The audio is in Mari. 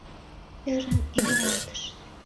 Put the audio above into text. ӧрын эҥыралтыш: